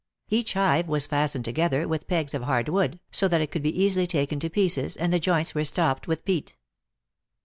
Each hive was fastened together with pegs of hard wood, so that it could be easily taken to pieces, and the joints were stopped with peat.